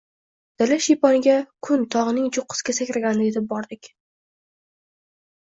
Dala shiyponiga kun tog‘ning cho‘qqisiga sakraganda yetib bordik